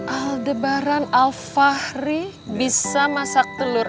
aldebaran al fahri bisa masak telur